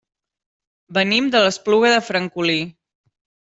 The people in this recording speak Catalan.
Venim de l'Espluga de Francolí.